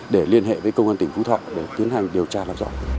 để liên hệ với công an tỉnh phú thọ để tiến hành điều tra làm rõ